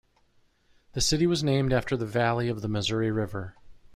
The city was named after the valley of the Missouri River.